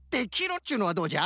っちゅうのはどうじゃ？